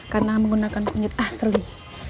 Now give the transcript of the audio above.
karena menggunakan kunyit asli